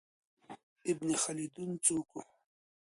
ابن خلدون څوک و؟